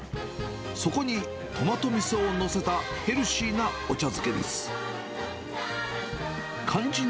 そこにトマトみそを載せた、ヘルシーなお茶漬けです。